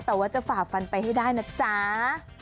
แต่ว่าจะฝ่าฟันไปให้ได้นะจ๊ะ